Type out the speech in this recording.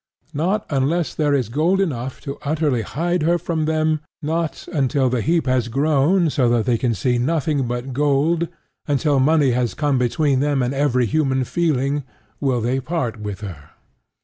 Not unless there is gold enough to utterly hide her from them not until the heap has grown so that they can see nothing but gold until money has come between them and every human feeling, will they part with her.